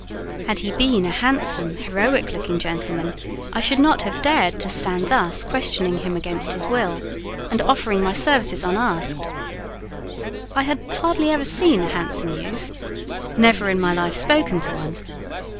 Had he been a handsome, heroic looking young gentleman, I should not have dared to stand thus questioning him against his will, and offering my services unasked. I had hardly ever seen a handsome youth; never in my life spoken to one.